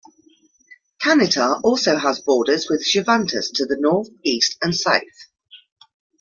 Canitar also has borders with Chavantes to the North, East and South.